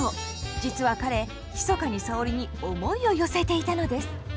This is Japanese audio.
実は彼ひそかに沙織に思いを寄せていたのです。